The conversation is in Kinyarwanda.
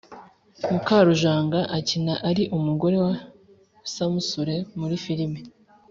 Mukarujanga akina ari umugore wasamusure muri filime